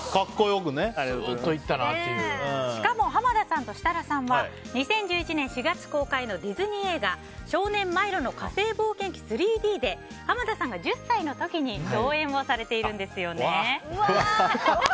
しかも濱田さんと設楽さんは２０１１年４月公開のディズニー映画「少年マイロの火星冒険記３Ｄ」で濱田さんが１０歳の時に共演をされているんですよね。